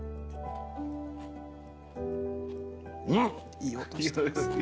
いい音してますね。